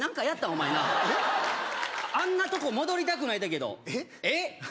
お前なあんなとこ戻りたくない言うたけどえっ？